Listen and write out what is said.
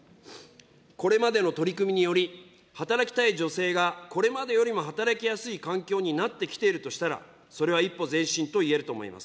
これまでの取り組みにより、働きたい女性がこれまでよりも働きやすい環境になってきているとしたら、それは一歩前進といえると思います。